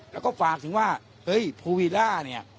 แล้วก็ฝากถึงว่าเฮ้ยภูวิล่าเนี่ย